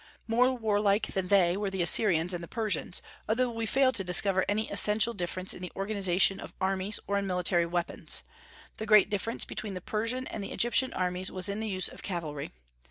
More warlike than they were the Assyrians and the Persians, although we fail to discover any essential difference in the organization of armies, or in military weapons. The great difference between the Persian and the Egyptian armies was in the use of cavalry.